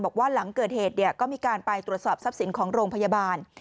บอกว่าหลังเกิดเหตุก็มีการไปตรวจสอบทรัพย์สินของโรงพยาบาล